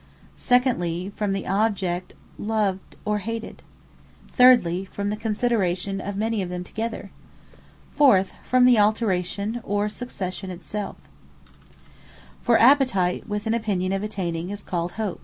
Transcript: Secondly, from the object loved or hated. Thirdly, from the consideration of many of them together. Fourthly, from the Alteration or succession it selfe. Hope For Appetite with an opinion of attaining, is called HOPE.